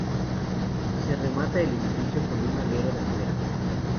Se remata el edificio con un alero de madera.